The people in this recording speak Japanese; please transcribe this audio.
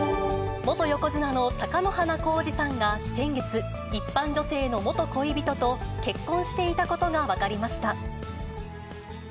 元横綱の貴乃花光司さんが先月、一般女性の元恋人と結婚していたことが分かりました。